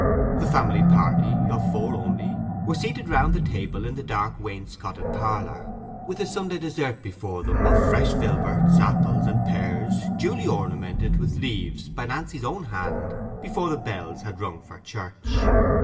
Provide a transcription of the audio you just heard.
The family party (of four only) were seated round the table in the dark wainscoted parlour, with the Sunday dessert before them, of fresh filberts, apples, and pears, duly ornamented with leaves by Nancy's own hand before the bells had rung for church.